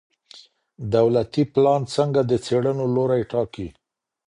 دولتي پلان څنګه د څېړنو لوری ټاکي؟